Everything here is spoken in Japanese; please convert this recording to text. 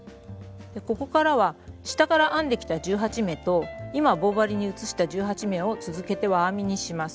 ここからは下から編んできた１８目と今棒針に移した１８目を続けて輪編みにします。